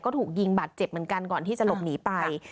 ก็ถูกยิงบาดเจ็บเหมือนกันก่อนที่จะหลบหนีไป